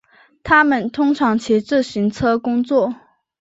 他们通常骑自行车工作。